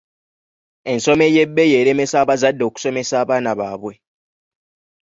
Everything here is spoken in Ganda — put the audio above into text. Ensoma ey'ebbeeyi eremesa abazadde okusomesa abaana baabwe.